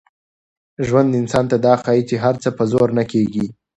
ژوند انسان ته دا ښيي چي هر څه په زور نه کېږي.